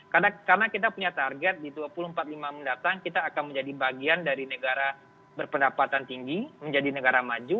karena kita punya target di dua ribu empat puluh lima mendatang kita akan menjadi bagian dari negara berpendapatan tinggi menjadi negara maju